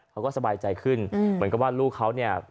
เขาก็สบายใจขึ้นเหมือนกับว่าลูกเขาเนี่ย